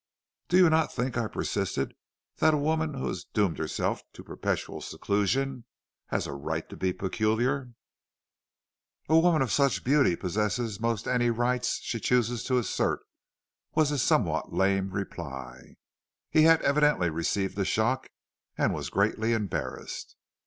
"'Do you not think,' I persisted, 'that a woman who has doomed herself to perpetual seclusion has a right to be peculiar?' "'A woman of such beauty possesses most any rights she chooses to assert,' was his somewhat lame reply. He had evidently received a shock, and was greatly embarrassed.